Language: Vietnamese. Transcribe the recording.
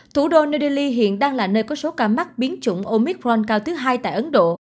thủ đô new delhi hiện đang là nơi có số ca mắc biến chủng omitron cao thứ hai tại ấn độ